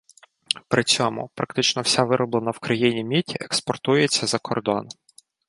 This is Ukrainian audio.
При цьому, практично вся вироблена в країні мідь експортується за кордон.